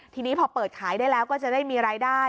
ทีนี้พอเปิดขายได้แล้วก็จะได้มีรายได้